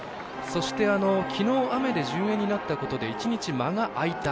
そして、きのう雨で順延になったことで１日、間が空いた。